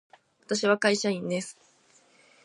私は会社員です。